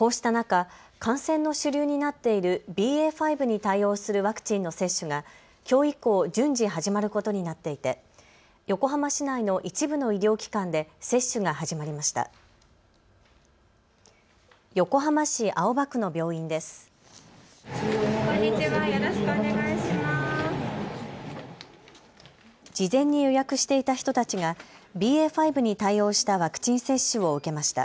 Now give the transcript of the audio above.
こうした中、感染の主流になっているＢＡ．５に対応するワクチンの接種がきょう以降、順次始まることになっていて横浜市内の一部の医療機関で接種が始まりました。